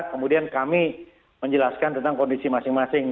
kemudian kami menjelaskan tentang kondisi masing masing